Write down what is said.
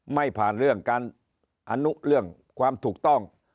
ไม่ผ่านเรื่องความถูกต้อง